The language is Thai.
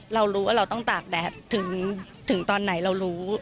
เรารู้ว่าเราต้องตากแดดถึงตอนไหนเรารู้